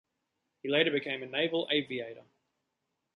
He later became a naval aviator.